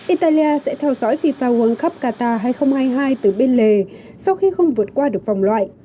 italia sẽ theo dõi fifa world cup qatar hai nghìn hai mươi hai từ bên lề sau khi không vượt qua được vòng loại